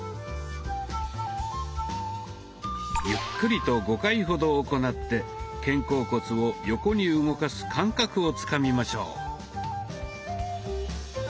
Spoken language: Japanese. ゆっくりと５回ほど行って肩甲骨を横に動かす感覚をつかみましょう。